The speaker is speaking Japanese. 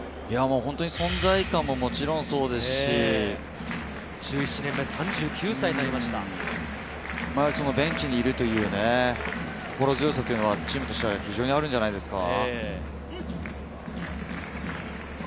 存在感ももちろんそうですし、１７年目３９歳になりまベンチにいる心強さはチームとしては非常にあるんじゃないでしょうか。